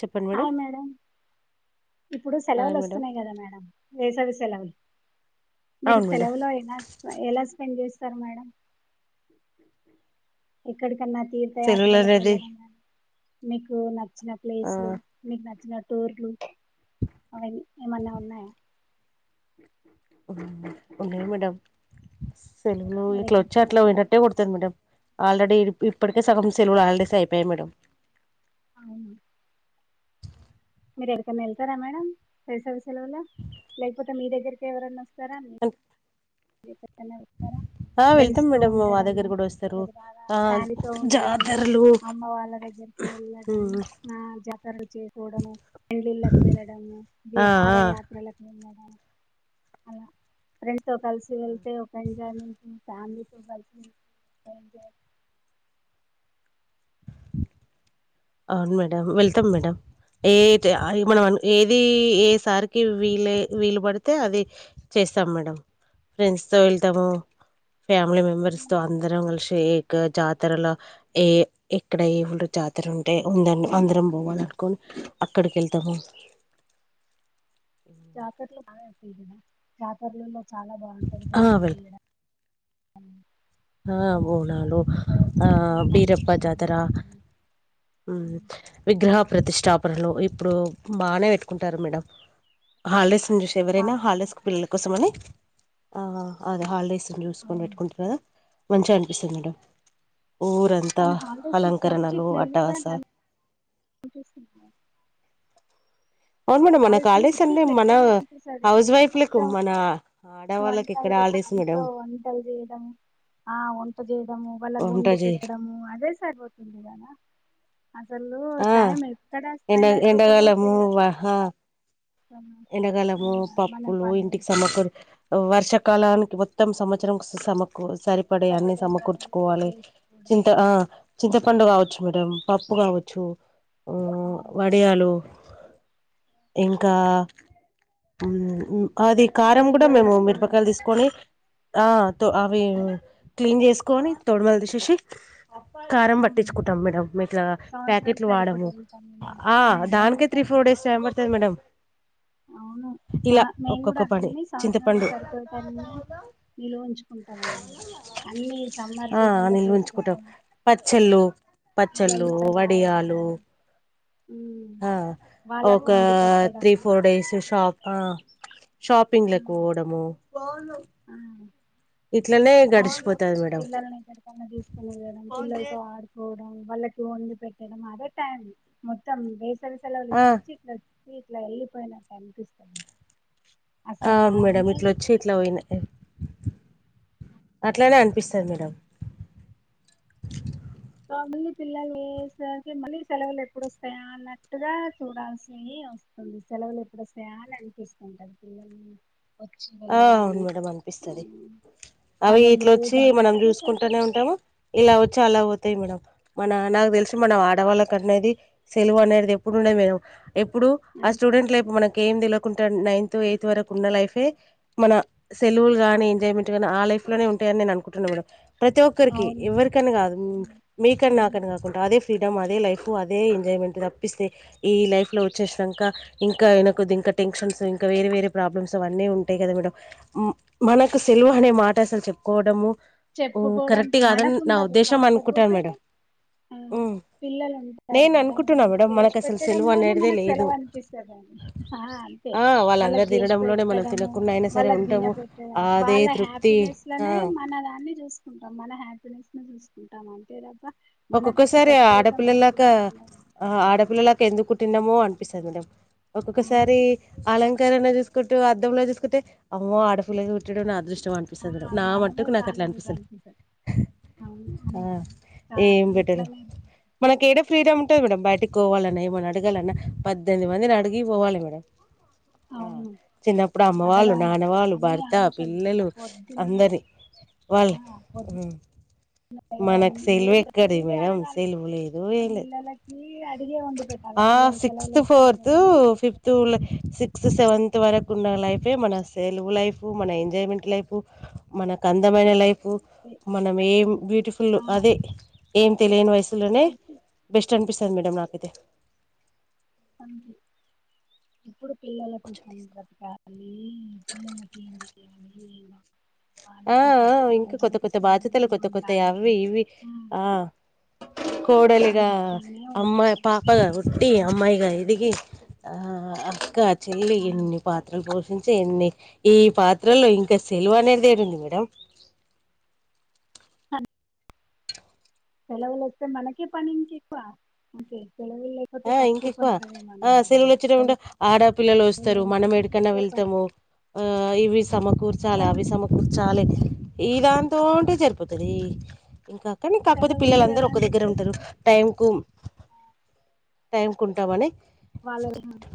చెప్పండి మేడం ఇప్పుడు హాయ్ సెలవులు మేడం వస్తున్నాయి కదా మేడం వేసవి సెలవు మీరు అవును మేడం సెలవులో ఎలా ఎలా స్పెండ్ చేసి సరే మేడం ఇక్కడకి అలా తీర్థ సెలవులు యాత్రలకు అనేది వెేళ్ళడం మీకు నచ్చిన ఆ ప్లేసులు మీకు నచ్చిన టూర్లు అవీ ఏమన్నా ఉన్నాయా హ్మ్మ్ ఉన్నాయి మేడం సెలవులు మీరు ఇట్లా ఎక్కడికి వచ్చే అట్లా వెళ్తారు మేడం పోయినట్టే వుంటది మేడం ఆల్రెడీ ఆ, ఇప్పటికే సగం సెలవులు హాలీడేస్ అయప్ [unintelligible] మేడం అవును మీరు ఎడకైనా వెళ్తారా మేడం వేసవి [unintelligible] మీ దగ్గకి ఎవరైనా సరే అండి ఇ ఆ ఫ్రెండ్స్ వెళ్తాం తో మేడం మా ఉండడం దగ్గర కూడా వస్తారు తర్వాత ఆ ఫ్యామిలీతో ఉండడం జాతరలు అమ్మ వాళ్ళ దగ్గరికి వెళ్ళడం ఆ జాతరలు చేసుకోవడము పెళ్ళళ్ళకి వెళ్ళడము ఆ విహార ఆ యాత్రలకు వెళ్ళడం [unintelligible] వెళ్తే ఒక పంజాల ఫ్యామిలీస్ బస్ ఏంచేయాల అవును మేడం వెళ్తాం మేడం ఏ మనం ఏది ఏసారికి వీలు వీలు పడితే అది చేస్తాం మేడం ఫ్రెండ్స్తో వెళ్తాము ఫ్యామిలీ మెంబెర్స్ తో అందరం షేక్ జాతరలో ఏ ఎక్కడ ఏముంటదో జాతర లో అంటే ఉందం అందరం పోవాలనుకని అక్కడికి వెళ్తాము జాతర్లోన జాతరలల్లో చాలా ఆ! బాగుంటుంది వెల్ [unintelligible] అ ఆ బోనాలు ఆ అదే బీరప్ప పోతాజీలు జాతర ఉండడము ఆ, విగ్రహ ప్రతిష్టాప లో ఇప్పుడు బానే పెట్టుకుంటారు మేడం హాలిడేస్ చూసి ఎవరైనా చాలా హాలిడేస్ బాగుంటది పిల్ల కోసం అని ఆ అదే హాలిడేస్ చూసుకొని అవును పెట్టుకుంటారా మంచిగా అనిపిస్తుంది మేడం ఊరంతా కానీ హాలిడేస్ ఇట్లా అలంకరణలు అటాస వచ్చేసి అవును మేడం మన కాలేజ్ అంటే మన అనిపిస్తది హౌస్ వైఫ్లకు మొత్తం మన ఆడవాళ్ళకి వంటలు ఎక్కడ హాలిడేస్ మేడం ఇంట్లో వంటలు చేయడం ఆ వంట చేయడము వాళ్ళ వంట వండి చే పెట్టడము అదే సరిపోతుంది కదా అసలు ఆ టైమ్ ఎక్కడ ఎండ స్పెండ్ అయిపోతుందో తెలియదు ఎండకలము మన పప్పులు పని ఇంటికి సమక్కరు వర్షాకాలానికి మొత్తం సంవత్సరం సమ సరిపడ అన్ని సరిపడే సమకూర్చుకోవాలి చింత చేసుకోవడము ఆ చింత పండు కావచ్చు మేడం పప్పు కావచ్చు అవును వడియాలు ఇంకా ఉ ఉ అది మరి కారం కూడా పిల్లలు మేము వస్తేను మిరపకాయలు తీసుకొని ఆ అవి క్లీన్ చేసుకొని తోడుమల్ తీసేసి కారం పట్టించుకుంటాం మేడం మీట్లా ఆ సంవత్సరాలు పాకెట్లు వాడము సరిపోతాది పనులు ఆ మేము దానికే కూడా త్రీ ఫోర్ అంతే డేస్ టైం పడుతది మేడం అవును మా ఇలా మేము కూడా ఒక్కొక్క పని అన్నీ సంవసరానికి చింతపండు సరిపోయేటన్ని నిలువ ఉంచు కుంటామండి అన్ని సమ్మర్ ఆ సీజన్ లో నిల్వ ఉంచుకుంటాం చేసుకుంటాము పచ్చళ్ళు పచ్చళ్ళు పిల్లలు రావడం వడియాలు ఉమ్ వాళ్ళకు ఒక వండి పెట్టడం త్రీ ఫోర్ డేస్ షాప్ ఆ షాపింగ్ ఆ లకు పోవడము ఆ ఇట్లనే మంచి గడిచిపోతది మేడం పిల్లల్ని ఎక్కడికన్నా తీసుకొని వెళ్ళడం పిల్లలతో ఆడుకో వాళ్ళకి వండి పెట్టడం అదే టైం మొత్తం సెలవులు ఆ ఇట్లా వచ్చి ఇట్లా ఇట్లా వెళ్ళిపోయినాక అనిపిస్తది అవును మేడం ఇట్లొచ్చి ఇట్లా పోయినాయి అట్లనే అన్ ఇస్తర్ మేడం మళ్ళీ పిల్లలు లేసరికి మళ్ళీ సెలవులు ఎప్పుడు వస్తాయా అన్నట్టుగా చూడాల్సి వస్తుంది సెలవులు ఎప్పుడొస్తయా అని అనిపిస్తుంటది పిల్లల్ ఆ అవును మేడమ్ అనిపిస్తది అవి పనులు ఇట్లా వచ్చి మనం దాంట్లోనే చూసుకుంటనే సరిపోతది ఉంటము ఇలా వచ్చి అలా పోతయి మేడం మన నాకు తెలిసి మన ఆడవాళ్ళకి అనేది సెలవు అనేటిది ఎప్పుడుండేది మేడం ఎప్పుడు ఆ అంతే స్టూడెంట్ అంతే లైపు మనకి ఏం దెలక్ కుంటాను నైన్త్ ఎయిత్ వరకు ఉన్న లైఫే మన సెలవు గాని ఎంజాయ్మెంట్ గానీ ఆ లైఫ్ లోనే ఉంటాయని నేను అనుకుంటున్న మేడం ప్రతి ఒక్కరికి అవును ఎవరికని కాదు మీకని అవును నాకని కాకుండా అదే ఫ్రీడమ్ అదే లైఫ్ అదే ఎంజాయ్మెంట్ తప్పిస్తే ఈ లైఫ్లో వచ్చేసినంక ఇంకానకుద్ ఇంకా టెన్షన్స్ ఇంకా వేరే వేరే ప్రాబ్లమ్స్ అవన్నీ ఉ ట్టే కద గుడు ఉ మనకు సెల్వ అనేే మా టసలు చెప్పుకోవడము కరెక్ట్ చెప్పుకోవడానికి కాదని నా మనకుండదు ఉద్దేశం అనుకుంటాను కాకపోతే మేడం ఆ ఉమ్. పిల్లలు ఉంటారు నేను కదా అనుకుంటున్నా వాళ్ళకి మేడం చేసి మనకు అసలు సెలవు పెట్టడంలోనే అనేదే మనకు లేదు సెలవు అనిపిస్తదని ఆ అంతే ఆ వాళ్ళకి వాళ్ళందరు చేసి తినడంలోనే మనం పెట్టడం అమ్మో తినకుండా అయినా సరే వాళ్ళకి దీన ఉంటాము పెట్ట అదే వాళ్ళ తృప్తి హ్యాపీనెస్ లోనే ఆ మన ద చూసుకుంటాం మన హ్యాపీనెస్ ని చూసుకుంటాం అంతె తబ్బా ఒక్కొక్కసారి ఆడపిల్లలాకా ఉండదు ఆ ఆడపిల్లలాక ఎందుకు ట్టిన్నమో అనిపిస్తది నాకు ఒక్కొక్కసారి అవును అలంకరణ జూస్ కుంటూ అద్ధంల జూసుకుంటే అమ్మో ఆడపిలై వుట్టుడు నా అదృష్ చం ఆ అనిపిస్తది నాకు నా మనమే మటుకు నాకు చాలా అట్లా బెటర్ అనిపిస్తది అవును అవునండి చా ఏం బెటరు అట్లనే మనకేడ ఫ్రీడమ్ టే మనం బయటికి పోవాలన్నా ఏమన్నా అడగాలన్నా పద్దెనిమిది మందిని అడిగి పోవాలి మనం ఆ అవును చిన్నప్పుడు అమ్మ వాళ్ళు అడగాల నాన్నవాళ్ళు అన్ని భర్త ఆంక్షలు పిల్లలు పొద్దున అందరి ఆ వాళ్ళు పొద్దున ఉ లేవ మనకు సెల్వే లేచి గదే ప్రతిది మేడం అడగాల సెల్వు లేదు ఏం లేదు పిల్లలకి అడిగే వండి పెట్టాలి ఆ పిల్లలు సెలవులు సిక్స్త్ వచ్చినాయి ఫోర్త్ కదా అని ఫిఫ్త్ వు లే సి స సెవెంత్ వరకు ఉన్న లైఫే మన సెలవు లైఫు మన ఎంజాయ్మెంట్ లైఫు మనకు అందమైన లైఫ్ ఉ మనం ఏం బ్యూటిఫుల్లు ఆ అదే ఏం తెలియని వయస్ సులోనే అది బెస్ట్ అనిపిస్ ఎన్నడనారు ఇతే అంతె ఇప్పుడు పిల్లల కోసం బతుకా [inaudible] ఆ ఇంకా కొత్త కొత్త బాధ్యతలు కొత్త కొత్తవి వండాలి అవి ఇవి ఆ కోడలిగా వాళ్ళకి ఇష్టమనే ఉండాలి అమ్మాయి పాపగా పుట్టి అమ్మాయిగా ఎదిగి కా చెల్లి ఆ ఎన్ని పాత్రలు పోషించ ఈ పాత్రలో ఇంకా సెలవు అనేది యాడుంది మేడం సెలవులు వస్తే మనకే పని ఇంకెక్కువ ఓకే సెలవులు లేకపోతే ఆ తక్కువ ఇంకెక్కువ పని ఉంటది ఆ మనకి సెలవులు వచ్చేటప్పుడు ఆడపిల్లలు సెలవులు వస్తారు ఉంటే మనం ఏడికన్నా ఇంకెక్కువ పని వెళ్తాము ఆ ఇవి సమకూర్చాలి ఆ, అవి సమకూర్చాలి ఇక దాంతోటే సరిపోతది ఇంక కానీ కాకపోతే సెలవు ఉంది పిల్లలుందరు కదా ఒక అని దగ్గర చెప్పేసి ఉంటారు టైం కు టైం కు ఉంటామని [unintelligible]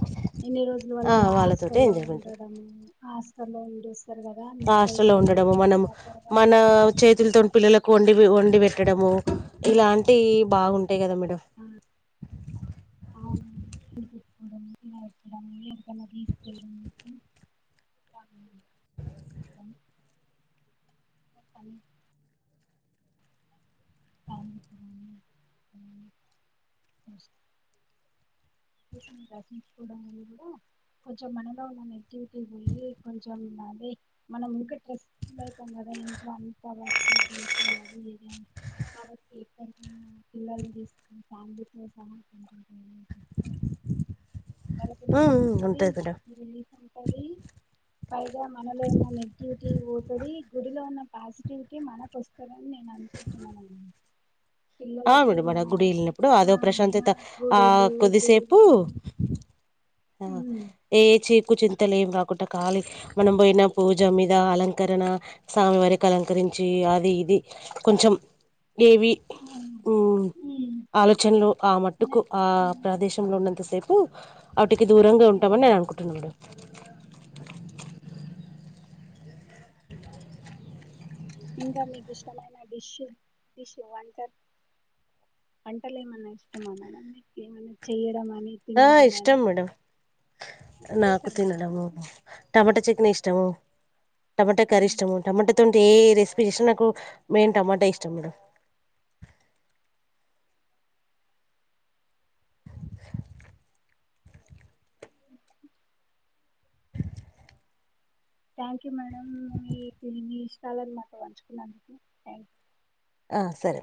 ఎన్ని రోజులు వాళ్ళ ఆ అలా వాళ్ళతోటే హాస్టల్లో ఎంజాయ్మెంట్ ఉండడము హాస్టల్లో ఉండేస్తారు కదా మిస్ హాస్టల్లో అవుతారని ఉండడము చెప్పేసి మనం దగ్గరగా మన ఉండడం చేతులతో పిల్లలకు వండి పెట్టడము ఇలాంటివి బాగుంటా ఆ అవును [inaudible] అవును మ్మ్ ించుకోవడంల్ కూడా కొంచెం మనలో ఉన్న నెగిటివిటీ పోయి కొంచెం [inaudible] వాళ్లకి రిలీఫ్ ఉంటది. ఉంటాది మేడం మనకు రిలీఫ్ ఉంటది. పైగా మనలో ఉన్న నెగిటివిటీ పోతది గుడిలో ఉన్న పాజిటివిటీ మనకు వస్తది ఆ పిల్లలకి మేడం అడా మన గుడి వెళ్ళనప్పుడు అదో ఆ ప్రశాంతత మన ఆ గుడులు కొద్ది చెప్పు దేవుడు ఉమ్ ఏ ఛీ కుచ్చో త్తలే ఏం రాకుండా ఖాళీ మనం పోయిన పూజ మీద అలంకరణ స్వామివారికి అలంకరించి అది ఇది కొంచెం ఏవి అవును మ్మ్ ఉమ్ ఆలోచనలు ఆ అనే మట్టుకు ఆ ఉమ్ ప్రదేశంలో ంతసేపు అ ఇంటికి దూరంగా ఇట్లా ఉంటామని అనుంటున్న మేడం ఇంకా మీకు ఇష్టమైన డిష్ డిష్ వంట వంటలు ఏమన్నా ఇష్టమా మేడం మీకేమన్న చేయడం అని ఆ తినడం గాని ఇష్టం మేడం ఏం నాకు చేస్తారు మేడం తినడము టమాట చట్ నీ ఇష్టము టమాటా కర్రి ఇష్టము టమాటా ంటే ఏ రెసిపీ చేసిన నాకు మెయిన్ టమాటా ఇష్టం మేడం థ్యాంక్ యూ మేడం మీ మీ ఇష్టాలన్ని నాతో పంచుకున్నందుకు థ్యాంక్ యూ ఆ సరే